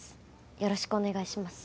よろしくお願いします